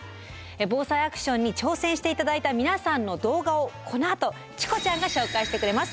「ＢＯＳＡＩアクション」に挑戦して頂いた皆さんの動画をこのあとチコちゃんが紹介してくれます。